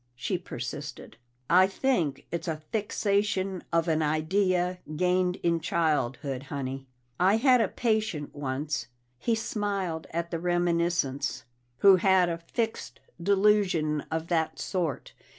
she persisted. "I think it's a fixation of an idea gained in childhood, Honey. I had a patient once " He smiled at the reminiscence "who had a fixed delusion of that sort.